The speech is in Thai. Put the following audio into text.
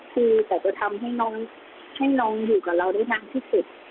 คือแต่จะทำให้น้องอยู่กับเราได้นานที่สุด